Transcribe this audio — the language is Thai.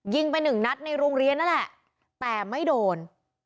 ไปหนึ่งนัดในโรงเรียนนั่นแหละแต่ไม่โดน